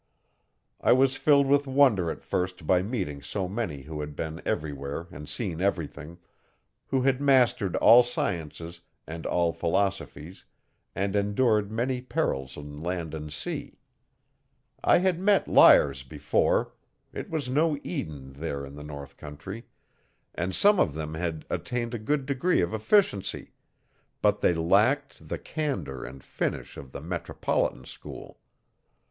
I was filled with wonder at first by meeting so many who had been everywhere and seen everything, who had mastered all sciences and all philosophies and endured many perils on land and sea. I had met liars before it was no Eden there in the north country and some of them had attained a good degree of efficiency, but they lacked the candour and finish of the metropolitan school.